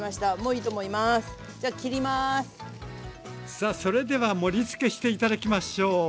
さあそれでは盛りつけして頂きましょう！